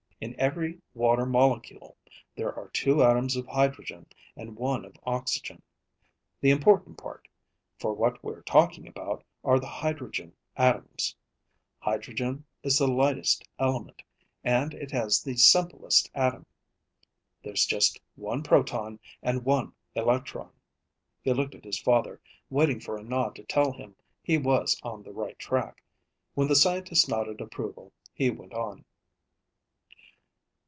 In every water molecule there are two atoms of hydrogen and one of oxygen. The important part, for what we're talking about, are the hydrogen atoms. Hydrogen is the lightest element, and it has the simplest atom. There's just one proton and one electron." He looked at his father, waiting for a nod to tell him he was on the right track. When the scientist nodded approval, he went on.